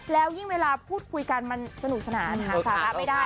แล้วยิ่งเวลาพูดคุยกันมันสนุกสนานหาสาระไม่ได้